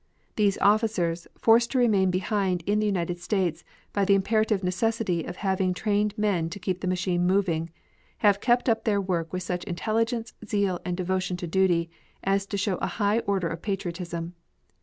These officers, forced to remain behind in the United States by the imperative necessity of having trained men to keep the machine moving, have kept up their work with such intelligence, zeal, and devotion to duty as to show a high order of patriotism.